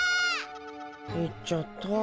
行っちゃった。